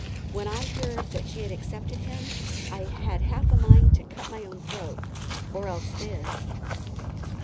When I heard that she had accepted him, I had half a mind to cut my own throat, or else his."